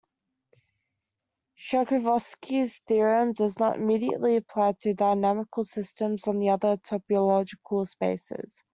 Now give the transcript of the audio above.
Sharkovskii's theorem does not immediately apply to dynamical systems on other topological spaces.